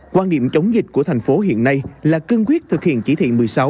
quan điểm chống dịch của thành phố hiện nay là cương quyết thực hiện chỉ thị một mươi sáu